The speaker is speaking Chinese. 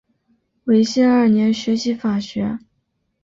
维新二年学习法学。